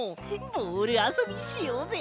ボールあそびしようぜ！